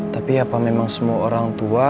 tapi apa memang semua orang tua